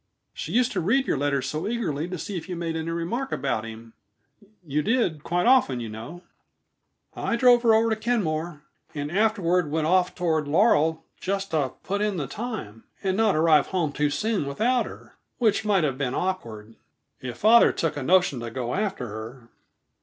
She used to read your letters so eagerly to see if you made any remark about him; you did, quite often, you know. I drove her over to Kenmore, and afterward went off toward Laurel just to put in the time and not arrive home too soon without her which might have been awkward, if father took a notion to go after her.